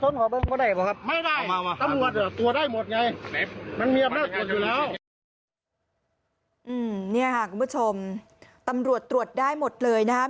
นี่ค่ะคุณผู้ชมตำรวจตรวจได้หมดเลยนะครับ